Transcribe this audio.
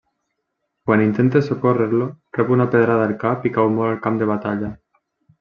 Quan intenta socórrer-lo rep una pedrada al cap i cau mort al camp de batalla.